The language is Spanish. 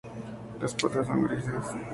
Las patas son grises.